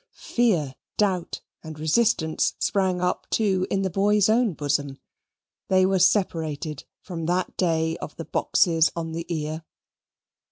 Fear, doubt, and resistance sprang up, too, in the boy's own bosom. They were separated from that day of the boxes on the ear.